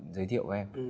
giới thiệu em